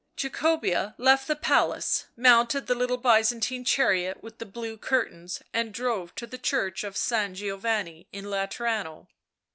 Jacobea left the palace, mounted the ] ittle Byzantine chariot with the blue curtains and drove to the church of San Giovanni in Laterano.